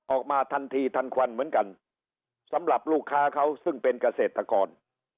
ออกมาทันทีทันควันเหมือนกันสำหรับลูกค้าเขาซึ่งเป็นเกษตรกร